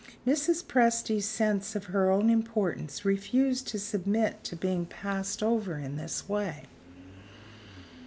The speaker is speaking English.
Mrs. Presty's sense of her own importance refused to submit to being passed over in this way.